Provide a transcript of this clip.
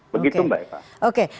begitu mbak eva